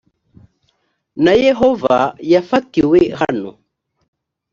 na yehova yafatiwe hano